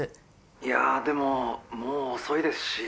いやでももう遅いですし。